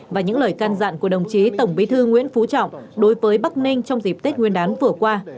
và những lời can dặn của đồng chí tổng bí thư nguyễn phú trọng đối với bắc ninh trong dịp tết nguyên đán vừa qua